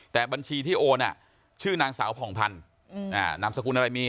แต่บัญชีที่โอนชื่อนางสาวผ่องพันธุ์นามสกุลอะไรมี